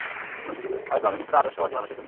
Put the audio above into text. হয়ত আমি কিছুটা আদর্শবাদী মানুষ এজন্য।